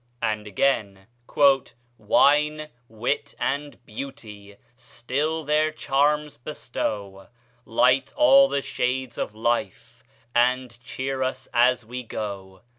And again: "'Wine, wit, and beauty still their charms bestow, Light all the shades of life, and cheer us as we go.'